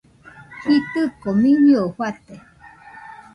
Jitɨko miñɨe fate